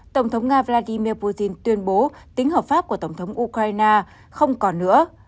tổng thống nga vladimir putin tuyên bố tính hợp pháp của tổng thống ukraine không còn nữa